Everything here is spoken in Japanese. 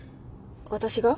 私が？